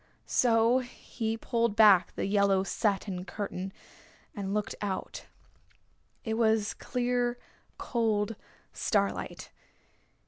So he pulled back the yellow satin curtain, and looked out. It was clear, cold starlight.